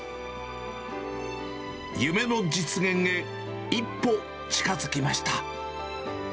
夢の実現へ、一歩近づきました。